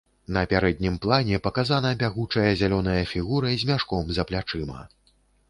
На пярэднім плане паказана бягучая зялёная фігура з мяшком за плячыма.